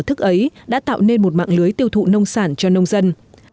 phương thức ấy đã tạo nên một mạng lưới tiêu thụ nông sản cho nông dân